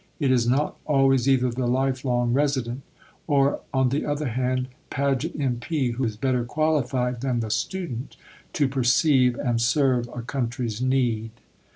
It is not always either the "life long resident," or, on the other hand, "Padgett, M.P.," who is better qualified than the student to perceive and serve a country's need.